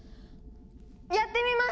やってみます！